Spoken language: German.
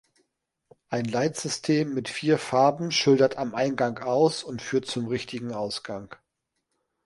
Ein Leitsystem mit vier Farben schildert am Eingang aus und führt zum richtigen Ausgang.